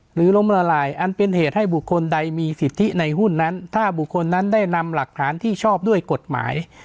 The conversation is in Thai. ล้มละลายอันเป็นเหตุให้บุคคลใดมีสิทธิในหุ้นนั้นถ้าบุคคลนั้นได้นำหลักฐานที่ชอบด้วยกฎหมาย